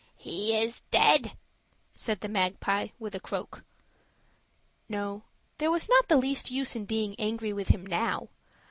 "He is dead," said the Magpie, with a croak. No, there was not the least use in being angry with him now.